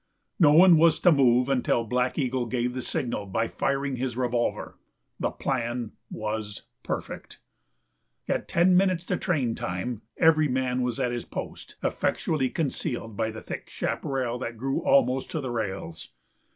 No one was to move until Black Eagle gave the signal by firing his revolver. The plan was perfect. At ten minutes to train time every man was at his post, effectually concealed by the thick chaparral that grew almost to the rails.